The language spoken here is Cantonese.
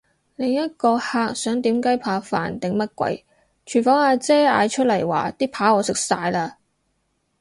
另一個客想點雞扒飯定乜鬼，廚房阿姐嗌出嚟話啲扒我食晒嘞！